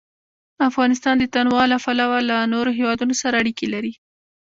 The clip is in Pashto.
افغانستان د تنوع له پلوه له نورو هېوادونو سره اړیکې لري.